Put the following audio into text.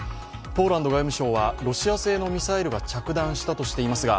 ポーランド外務省はロシア製のミサイルが着弾したとしていますが